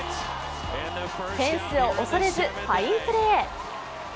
フェンスを恐れず、ファインプレー。